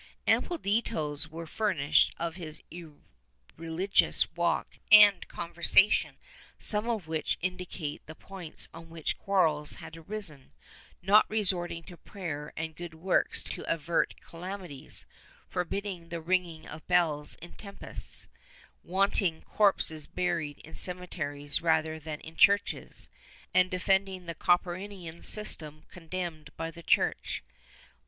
Ample details were furnished of his irrehgious walk and conversation, some of which indicate the points on which quarrels had arisen— not resorting to prayer and good works to avert calamities, forbidding the ringing of bells in tempests, wanting corpses buried in cemeteries 310 PHILOSOPHISE [Book VIII rather than in churches, and defending the Copernican sy.stem condemned by the Church.